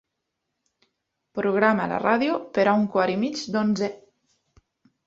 Programa la ràdio per a un quart i mig d'onze.